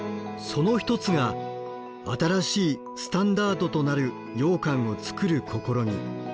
その一つが新しいスタンダードとなるようかんを作る試み。